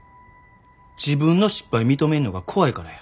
自分の失敗認めんのが怖いからや。